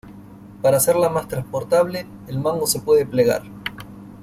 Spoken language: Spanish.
Para hacerla más transportable el mango se puede plegar.